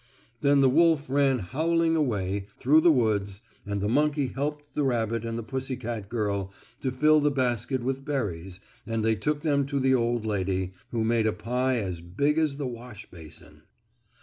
Then the wolf ran howling away through the woods, and the monkey helped the rabbit and the pussy girl to fill the basket with berries and they took them to the old lady, who made a pie as big as the wash basin.